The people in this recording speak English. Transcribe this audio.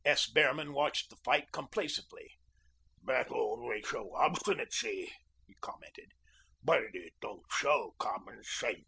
S. Behrman watched the fight complacently. "That all may show obstinacy," he commented, "but it don't show common sense."